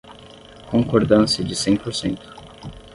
Concordância de cem por cento.